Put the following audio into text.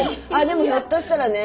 でもひょっとしたらね